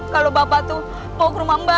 kalau bapak tuh mau ke rumah mbak